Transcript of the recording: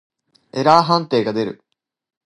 エラー判定が出る。